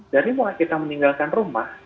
dari mulai kita meninggalkan rumah